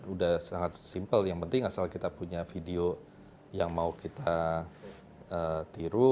udah sangat simpel yang penting asal kita punya video yang mau kita tiru